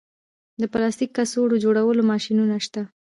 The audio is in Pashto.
د پلاستیک کڅوړو جوړولو ماشینونه شته